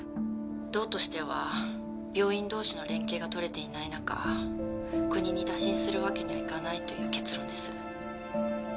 道としては病院同士の連携がとれていない中国に打診するわけにはいかないという結論です。